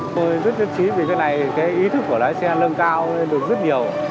tôi rất chân trí vì cái này cái ý thức của lái xe nâng cao được rất nhiều